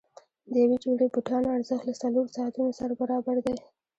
د یوې جوړې بوټانو ارزښت له څلورو ساعتونو سره برابر دی.